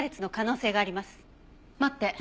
待って。